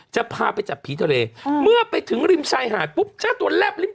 จะพาไปจับผีทะเลเมื่อไปถึงริมชายหาดปุ๊บเจ้าตัวแลบลิ้ม